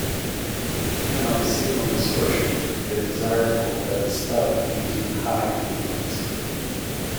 To minimize signal distortion, it is desirable that the stub maintain high impedance.